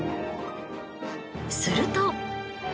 すると。